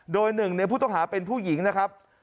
โดยหนึ่งในผู้ต้องหาเป็นผู้หญิงนะครับ